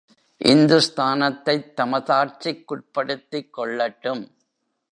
இந்துஸ்தானத்தைத் தமதாட்சிக்குட்படுத்திக் கொள்ளட்டும்.